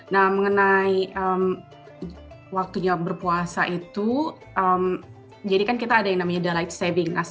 nah mengenai waktunya berpuasa itu jadi kan kita ada yang namanya delight saving